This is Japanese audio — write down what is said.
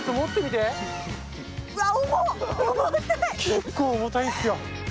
結構重たいんですよ。